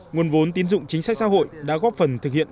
nguồn vốn tín dụng chính sách xã hội đã góp phần thực hiện